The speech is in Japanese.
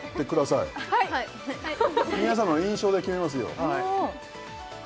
はい皆さんの印象で決めますよ